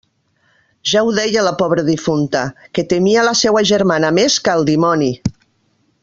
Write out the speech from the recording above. Ja ho deia la pobra difunta, que temia la seua germana més que el dimoni.